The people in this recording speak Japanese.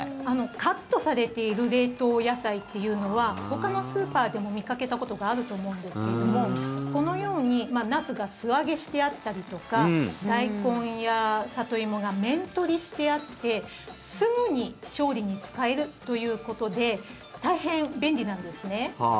カットされている冷凍野菜っていうのはほかのスーパーでも見かけたことがあると思うんですけどもこのようにナスが素揚げしてあったりとかダイコンやサトイモが面取りしてあってすぐに調理に使えるということで大変便利なんですね。